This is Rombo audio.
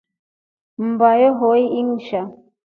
Mmba yohoi inshaa.